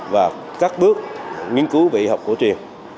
và các bước nghiên cứu về y học cổ truyền